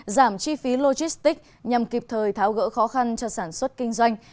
giảm chi phí logistics nhằm kịp thời tháo gỡ khó khăn cho sản xuất kinh doanh